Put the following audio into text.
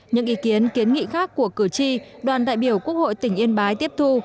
những ý kiến kiến nghị khác của cử tri đoàn đại biểu quốc hội tỉnh yên bái tiếp thu